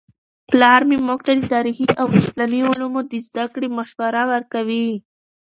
پلار موږ ته د تاریخي او اسلامي علومو د زده کړې مشوره ورکوي.